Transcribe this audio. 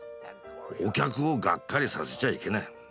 お客をがっかりさせちゃいけない。